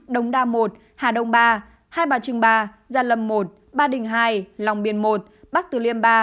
đồng đa một hà đông ba hai bà trưng ba gia lâm một ba đình hai lòng biên một bắc từ liêm ba